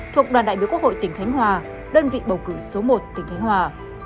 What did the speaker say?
thuộc đoàn đại biểu quốc hội tỉnh khánh hòa đơn vị bầu cử số một tỉnh khánh hòa